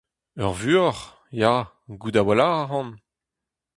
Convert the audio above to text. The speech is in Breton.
Ur vuoc'h… ya, gouzout a-walc'h a ran !